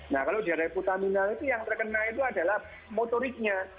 nah kalau di daerah pertamina itu yang terkena itu adalah motoriknya